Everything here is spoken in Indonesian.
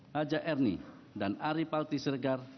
haja erni dan ari palti sergar